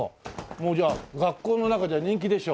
もうじゃあ学校の中じゃ人気でしょ？